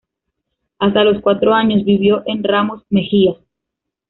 Hasta los cuatro años vivió en Ramos Mejía.